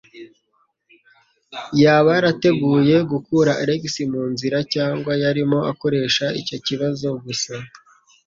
Yaba yarateguye gukura Alex mu nzira, cyangwa yarimo akoresha icyo kibazo gusa?